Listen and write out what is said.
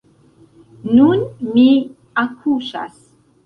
Nun mi akuŝas.